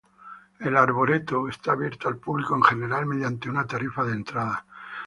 El arboreto está abierto al público en general mediante una tarifa de entrada.